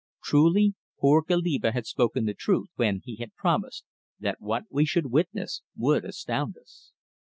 Truly, poor Goliba had spoken the truth when he had promised that what we should witness would astound us.